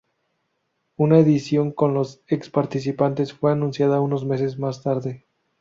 Una edición con los ex participantes fue anunciada unos meses más tarde.